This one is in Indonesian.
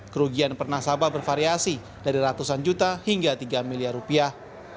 kerugian per nasabah bervariasi dari ratusan juta hingga tiga miliar rupiah